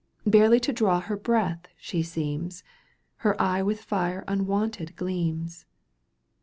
Barely to draw her breath she seems. Her eye with fire unwonted gleams.